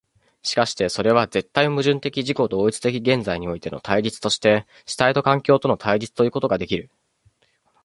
しかしてそれは絶対矛盾的自己同一的現在においての対立として主体と環境との対立ということができる。